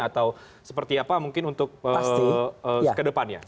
atau seperti apa mungkin untuk kedepannya